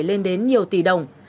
lên đến nhiều tỷ đồng